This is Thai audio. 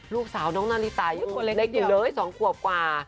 ลูกสาวน้องนาริตายังเล็กอยู่เลย๒ขวบกว่า